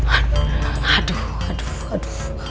aduh aduh aduh aduh